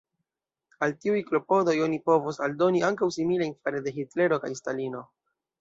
Al tiuj klopodoj oni povos aldoni ankaŭ similajn fare de Hitlero kaj Stalino.